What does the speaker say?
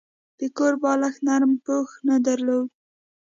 د کور بالښت نرمه پوښ نه درلوده.